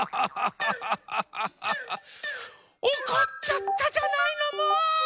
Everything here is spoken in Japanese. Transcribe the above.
おこっちゃったじゃないのもう！